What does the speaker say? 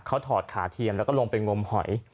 เขาถอดขาเทียมแล้วก็ลงไปงมหอย